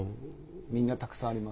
みんなたくさんあります。